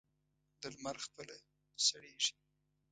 د لمر خپله سړېږي.